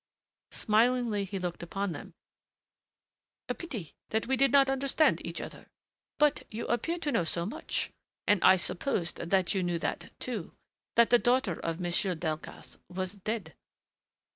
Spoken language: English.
Smilingly he looked upon them. "A pity that we did not understand each other. But you appear to know so much and I supposed that you knew that, too, that the daughter of Monsieur Delcassé was dead."